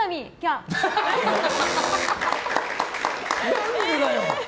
何でだよ！